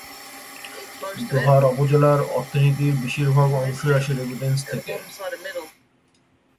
দোহার উপজেলার অর্থনীতির বেশির ভাগ অংশই আসে রেমিটেন্স থেকে।